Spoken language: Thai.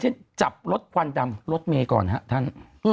จับรถควันดำรถเมย์ก่อนครับท่าน